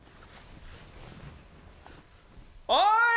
「おい！